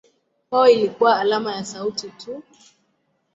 Kwao ilikuwa alama ya sauti tu.